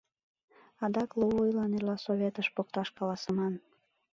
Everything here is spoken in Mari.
Адак лувуйлан эрла советыш покташ каласыман.